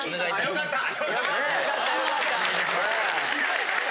良かった！